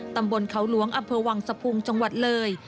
ตำบลเขาหลวงอำเภอวังสะพุงจังหวัดเลย